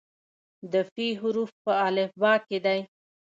د "ف" حرف په الفبا کې دی.